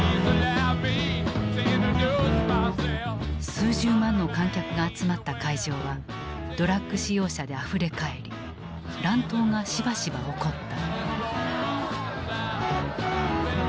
数十万の観客が集まった会場はドラッグ使用者であふれ返り乱闘がしばしば起こった。